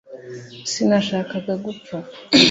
sinashakaga gupfa